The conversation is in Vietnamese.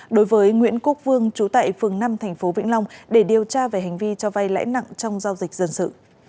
đối với nguyễn quốc vương chú tại phường năm thành phố vĩnh long để điều tra về hành vi cho vay lãi nặng trong giao dịch dân sự